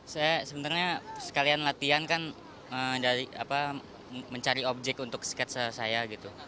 saya sebenarnya sekalian latihan kan mencari objek untuk sketsa saya gitu